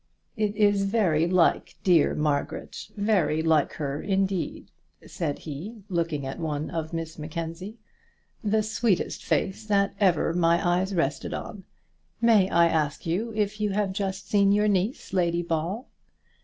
"It is very like dear Margaret, very like her, indeed," said he, looking at one of Miss Mackenzie. "The sweetest face that ever my eyes rested on! May I ask you if you have just seen your niece, Lady Ball?"